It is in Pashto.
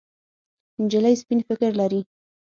نجلۍ سپين فکر لري.